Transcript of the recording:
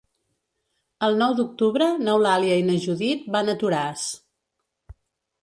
El nou d'octubre n'Eulàlia i na Judit van a Toràs.